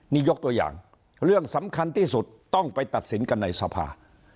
นี่ยกตัวอย่างเรื่องสำคัญที่สุดต้องไปตัดสินกันในสภา